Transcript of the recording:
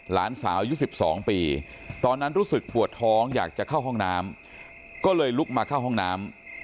หลานสาวอายุ๑๒ปีตอนนั้นรู้สึกปวดท้องอยากจะเข้าห้องน้ำก็เลยลุกมาเข้าห้องน้ำ